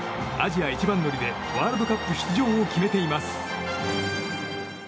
アジア一番乗りでワールドカップ出場を決めています。